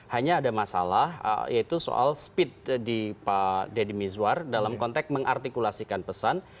hanya ada masalah yaitu soal speed di pak deddy mizwar dalam konteks mengartikulasikan pesan